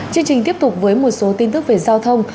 chương trình tiếp tục với một số tin tức về giao thông